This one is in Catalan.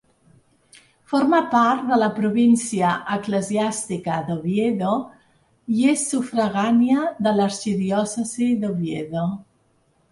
Forma part de la província eclesiàstica d'Oviedo, i és sufragània de l'arxidiòcesi d'Oviedo.